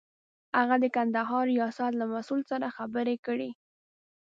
هغه د کندهار ریاست له مسئول سره خبرې کړې.